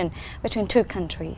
nếu khu vực rộng rãi